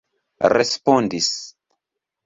respondis